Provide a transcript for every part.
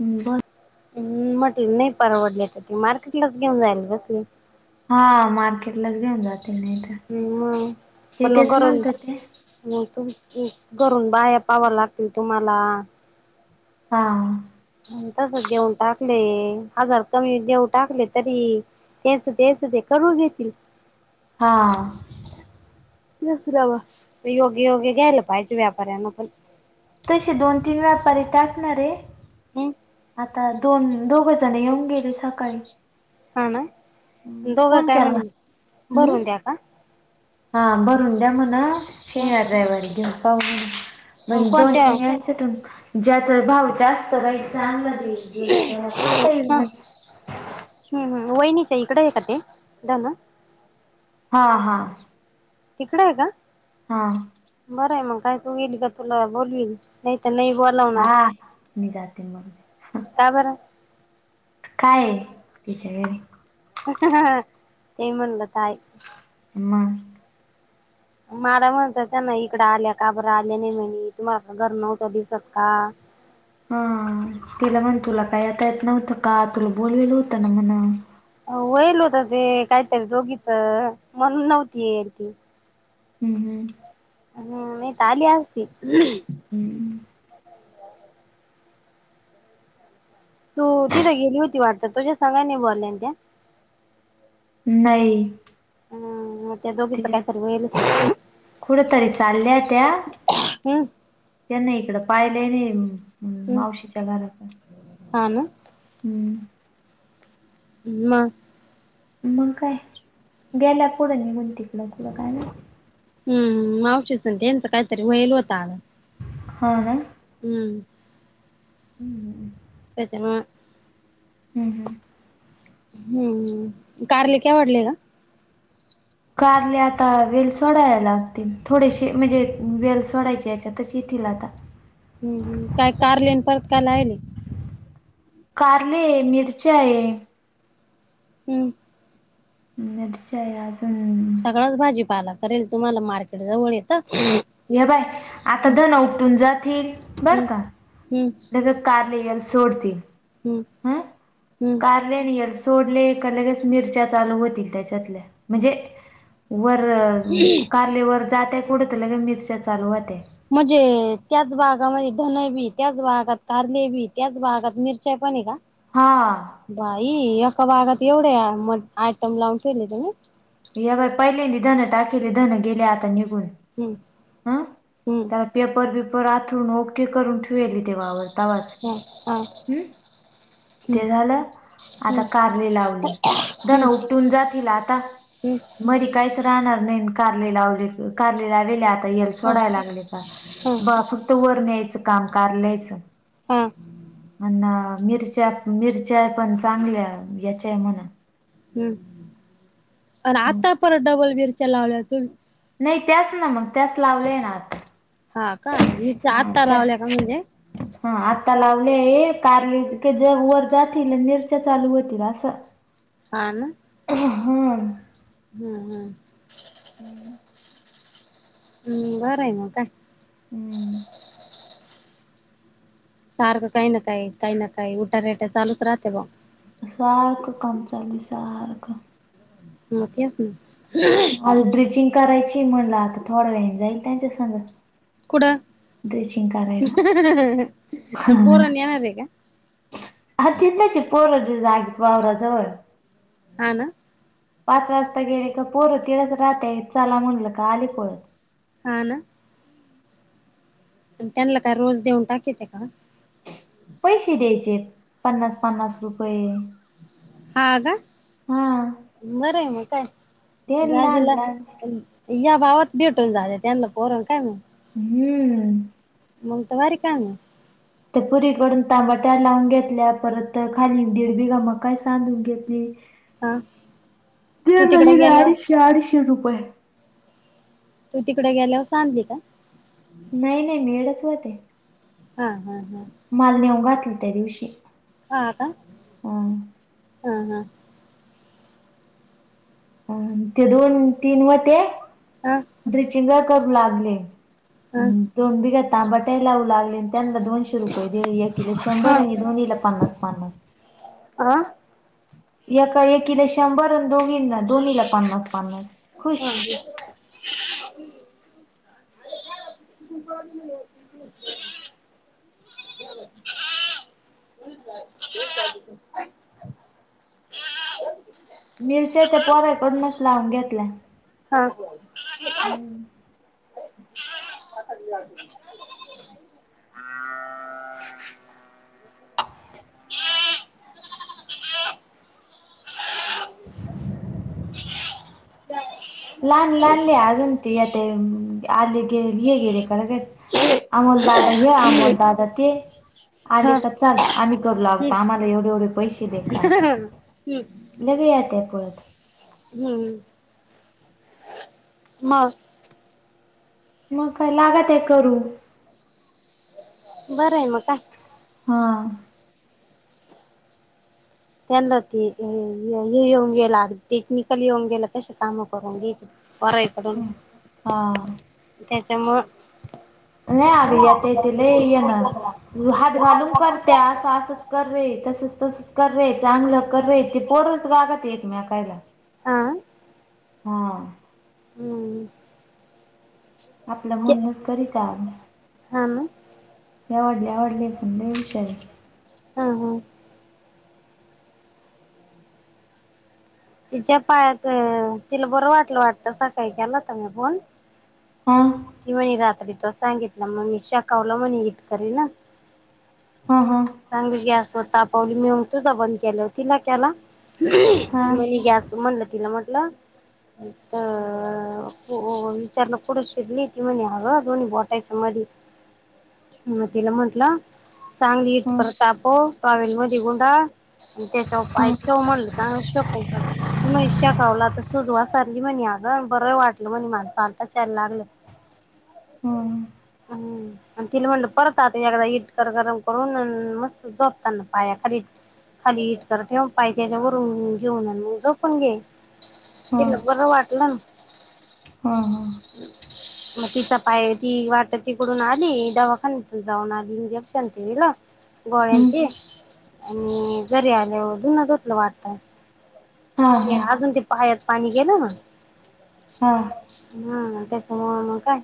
हम् ब- हम्म. मी म्हटली नाही परवडले तर ते मार्केटलाच घेऊन जायला बसले. हा. मार्केटलाच घेऊन जात- हम्. पण मग तेच गरम- म्हणतात ते नाही तुम्ह ते घरून बाया पाव्या लागतील तुम्हाला. हां. मी तसच देऊन टाकले ए. हजार कमी देऊन टाकले तरी- त्यांचं त्यांचं ते करून घेतील. हां. [unintelligible] योग्य योग्य घ्यायला पाहिजे व्यापाऱ्यान पण. तसे दोन तीन व्यापारी टाकणार आहे. हम्म आता दोन दोघच- तनु येऊन गेली सकाळी. हा ना? दोघं फोन काय म्हणले? भरून द्या का? हां. भरून द्या म्हण. शनिवार, ह रविवारी घेऊन पाहू म्हणे. पण दोन कोणत्या तीन याच्यातून ज्याच भाव जास्त राहील [unintelligible] [unintelligible] पाहता येईल मंग. हं. हं. वहिनीच्या इकडं ए का ते? [unintelligible] हा. हा. तिकडे आहे का? हां. बरंय म. काय तू येईल का तुला बोलवीन. नाही तर नाही बोल- हा. मी जाते मग. का बर? काय ए ती सगळे? ते म्हनलं काय? मंग? मला म्हणत होत्या ना. इकड आल्या का बर आल्या नाही म्हणे तुम्हाला घर नव्हतं दिसत का? हा. तिला म्हण तुला काही येता येत नव्हतं का? तुला बोलिवलं होतं ना म्हण? व्हयेल होत ते काहीतरी दोघीच म्हणून नव्हती येयेल ती. हम्म. हम्म. हं. नाही त आली असती. हम्म. हो. तू तिथं गेली होती वाटत? तुझ्या संगही नाही बोलल्या ना त्या? नाही. हं. तिकडे, कुठ तरी चालल्या त्या. हम्म त्यांनी इकडं पाहिलं ही नाही हम्म मावशीच्या घराकडं. हा ना हम्म. हं म? म काय? गेल्या पुढं निघून तिकडं कुडं काय माहीत? हम्. मावशीच अन त्यांचं काहीतरी व्हयेल होत अग. हां का? हम्म. हम्. त्याच्यामुळं. हम्. हम्. हम्. कारले [unintelligible] वाढले का? कारले आता वेल सोडायला लागतील. थोडेसे म्हणजे वेल सोडायचे याच्यात- येतील आता. हं. हं. काय कारले न परत काय लावेल ए? कारले ए. मिरच्या ए. हं. मिरच्या ए अज - हम्. सगळाच भाजीपाला करेल. तुम्हाला मार्केट जवळ येतं. हे पाह्य. आता हम्म धन उपटून जातील बर हम्म का? हम्म. नगं कारले येल सोडतील. हम्म हम्म. ल सोडले लगेच मिरच्या चालू होतील त्याच्यातले म्हणजे. वर कारले वर जातय कुढंत ल का मिरच्या चालूवात. म्हणजे त्याच भागामध्ये धन बी त्याच भागात कारले बी त्याच भागात मिरचाई पाणी का. हा. बाई एका बागात एवढे म आयटम लावून ठेले तुम्ही. या बा पहिलेनी धनं टाकली धनं गेले आता निघून. हम्म हं हम्म. त्याला पेपर बिपर आथरून ओके करून ठेवू तेव्हा आवरतावाच ह हा. हम्म ते झालं आता हम्म कारली लावली जण हम्म उटून जातील आता. हम्म मधी काहीच राहणार नाही कारले लावले कारले लावेले आता येल हा हा सोडायला लागले का बा फक्त वर न्यायचं काम कारलंयच हा. म्ह मिरच्या मिरच्या पण चांगल्या याच्याय म्हणा हम् अरे आता पर डबल मिरच्या लावल्या तु् नाही त्याच ना मग त्यास लावलेय ना आता. हा का मिरच्या हा आत्ता त्या लावल्या का म्हणजे? हा आता लावले आहे कारली जग वर जातील मिरच्या चालू होतील असं. हा ना हम्म हम्म हम. हम्म. हम् बर आहे नव्हं का? हम्म सारखं काही ना काही काही ना काही उठ्या रेट्या चालूच राहते बा. सारख काम चाली सारखं मग तेच ना अलड्रिचिंग करायची म्हटलं आता थोडं वेळी जाईल त्यांच्या संग. कुठं ड्रेसिंग करायला पोरांना येणार आहे का? हा तिथ आहे पोर जागेच वावराजवळ. ह ना पाच वाजता गेले का पोरं तिलाच राहत चला म्हणलं का आली पळत. हा ना त्यांना काय रोज देऊन टाकेते का? पैशे द्यायचे पन्नास पन्नास रुपये. हा का हा बरंय मग काय दे लहान गजीला. लहान या भावात भेटून जाले त्यांना पोरण काय मग. हम्म. मग त वारी का ना. त्या पुरीकडून टमाटर लावून घेतल्या परत खाली दीड बिघा मकाय सांधून घेतली. हा द तू तिकडे न गेल्यावर दहाडी शहाडीशे रुपये. तू तिकडे गेल्यावर सांणली का? नाही नाही. मेळच [unintelligible] हा. हा. हा. मला नेऊन घातलं त्या दिवशी. हां. का? अं हं. हं. अन ते दोन तीन व्हते. हा [unintelligible] चिंगा करू लागले. हा हम्. दोन बिघा तांबाटा ही लाऊ लागले अन त्यान्ला दोन- शे रुपये दिले. एकीला शंभर आणि दोन्हीला पन्नास पन्नास. आं? एका एकीला शंभर आणि दोघींना दोन्हीला पन्नास पन्नास खुश. [unintelligible] मिरच्या त्या पोराकडूनच लावून घेतल्या. हां. [unintelligible] हम्म [inaudible] लहान लहानले अजून ते येते. अं. [unintelligible] हे गेले. लगेच अमोलदादा हे. अमोल दादा ते. आले हा का चाल आम्ही करू लागतो. आम्हाला एवढे एवढे पैसे दे काय? लगे येत्या पळत. हम्म. मग? मग काय लागत्या करू. बरंय म काय. हां. त्यांना ते हे येऊन गेला टेक्निकल येऊन गेला कशी कामं करून घ्यायचे? हा [unintelligible] त्याच्यामुळं. नाही अग. यात य ते लई ये ना. मी हात घालून करते असं असंच. कर रे. तसच तसच कर रे. चांगलं कर रे. ते पोरस गागत एकमेकायला. हा हां. हम. आपलं म्हणणच तरी [unintelligible] हो ना? एवाढले एवाढले ए पण लई हुशार. हं. हं. तिच्या पायात -तिला बरं वाटलं वाटतं सकाळी केला होता मी फोन. हा. ती म्हणे रात्री त्वा सांगितला म्हणून मी शेकावलं म्हणे विटकरी न हा. हा. चांगली गॅस तापवली. मी उग तुझा बंद केल्यावर तिला केला. हा नवी गॅस. म्हटलं तिला म्हटलं- अ [unintelligible] दोन्ही बोटायच्या मधी. म मी तिला म्हंटलं. चांगली हा इटकर तापव. टॉवेल मधे गुंडाळ. आणि त्याच्यावर हा पाय ठेव म्हणलं. चागलं शेकुन काढ. म शेकावला तर सूज ओसरली म्हणे अगं बरं वाटलं म्हणे मला चालताच यायला लागलं. [inaudible] हम्म. मंग तिला म्हणलं परत आता एकदा इटकर गरम करून अन मस्त झोपताना पाया खाली- खाली हिट करते पाय त्याच्यावरून घेऊन म, म झोप पण घे, हा तिला बरं वाटलंना हा हा. मग तिचा पाय ती वाटत तिकडून आली. दवाखान्यातुन जाऊन आली इंजेक्शन केल, गोळयांची आणि जरी आल्यावर धुन धुतल वाटत. हा ते हा आजून ते पायात पाणी गेलं ना. हां हा त्याच मुळ मग काय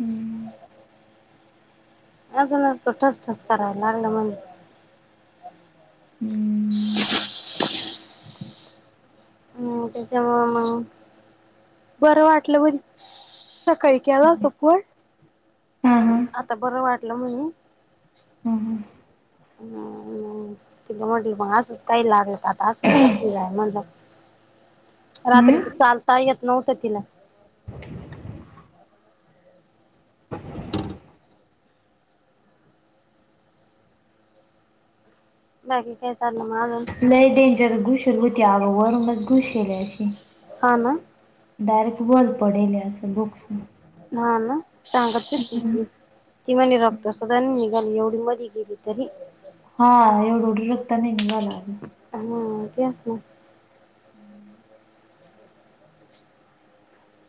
हुम्म. अजून तो ठस ठस करायला लागल म्हण. हुम्म. हम् त्याच्यामुळ मंग, बरं वाटलं पण कैई केला होता फोन, हा हा आता बरं वाटलं म्हणून? हम हम ति म्ह म्हटल मग असंच काही लागलं आता असं शेय म्हणल. हम्म रात्रीच चालता येत नव्हतं तिला. बाकी काय चालय मग आजुन? नाही डेंजर घुसेल होती अगो वरूनच घुसेल अशी. हा ना डारेकट होल पडेल असं बुक्सन. हा ना सांगत हुती की. ती म रक्त सुदां निघाली एवढी मधी गेली तरी हा एवढ उढ रक्ता निंगला अग. हम्म तेच कि.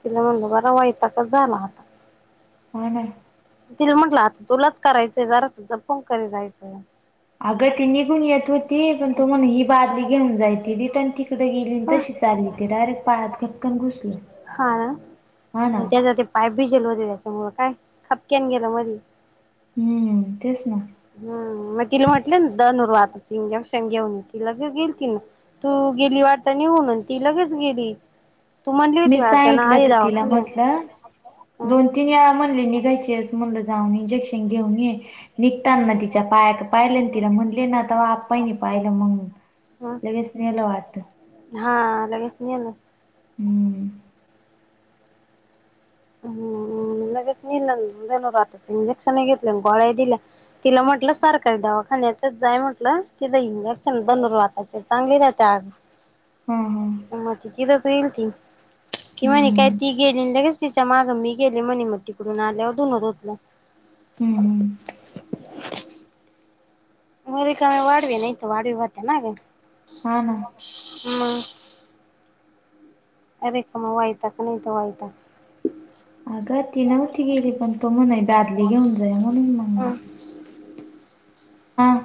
तिला म्हण बरा वयताकच झाला आता. हो ना तिला म्हटलं आता तुलाच करायचंय जरास जपुन करी जायचंय. आगं तिनी पण येत होती पण तो म्हण ही बादली घेऊन जाय त रिटर्न तिकडे गेली तशी ते आली की डायरेक्ट पायात घक्कन घुसलं. हा ना. हा ना. त्याचा ते पाय भिजल होते त्याच्यामुळ काय, खपक्यान गेलं मधी. हुम्म तेच ना. हम् मग तिला म्हटले ना, धनुरवात इंजेक्शन घेऊन ए लगे गेलती. तू गेली वाटता नि म्हणून ती लगेच गेली. तू म्हणली मी होती वाटत ना सांगितलं आधी तर तिला म्हटलं. दवाखान्यात हा दोन तिने मणली निघायची अस, म्हणलं जाऊन इंजेक्शन घेऊन ये. निघताना तिच्या पाय पाहिले तिला म्हटले ना आता बा आपपायनी पाहिलं मग. लगेच नेल वाटतं. हा लगेच नेलं. हम्म. हम लगेच निर्णय घेतल धनुबातच इंजेक्शन घेतल्या गोळ्या दिल्या. तिला म्हटलं सरकार दवाखान्यातच जाय म्हटलं तिं इंजेक्शन धनूरबाताच चांगली देतात. हा हा म त तिथच येईल. ती कि म्हणे काय हम्म ती गेली लगेच तिच्या मागं मी गेले मणी तीकडून आल्यावर धुन धुतलं. हम्म हम्, व रिकाम वाढवी नाहीत वाढवी होते ना ग हा ना, मग अ रिकाम वैताग नाही त वैताग अग ती नव्हती गेली पण तो म्हणे दादली घेऊन जाय. म्हणून मग [inaudible] हां,